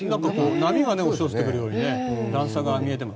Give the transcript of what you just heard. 波が押し寄せてくるみたいに段差が見えますね。